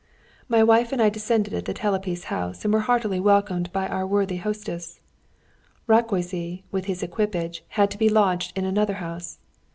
My wife and I descended at the Telepi's house and were heartily welcomed by our worthy hostess. Rákóczy, with his equipage, had to be lodged in another house.